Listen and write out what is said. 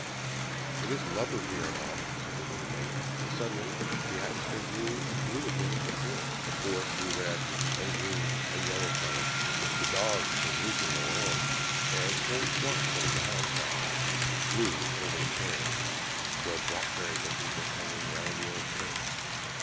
"It is lovely here in autumn!" said the little maiden. And suddenly the atmosphere grew as blue again as before; the forest grew red, and green, and yellow colored. The dogs came leaping along, and whole flocks of wild fowl flew over the cairn, where blackberry bushes were hanging round the old stones.